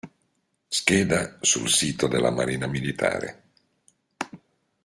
Scheda sul sito della Marina Militare